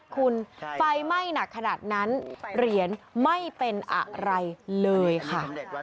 คุณไฟไหม้หนักขนาดนั้นเหรียญไม่เป็นอะไรเลยค่ะ